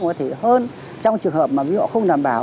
mà có thể hơn trong trường hợp mà ví dụ không đảm bảo